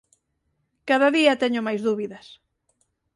Cada día teño máis dúbidas.